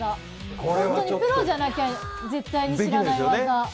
本当にプロじゃなきゃ絶対に知らない技。